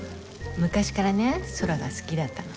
昔からね空が好きだったの。